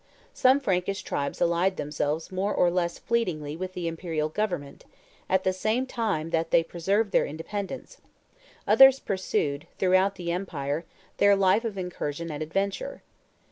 Some Frankish tribes allied themselves more or less fleetingly with the Imperial government, at the same time that they preserved their independence; others pursued, throughout the Empire, their life of incursion and adventure.